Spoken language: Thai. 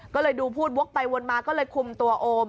ก็เลยดูพูดวกไปวนมาก็เลยคุมตัวโอม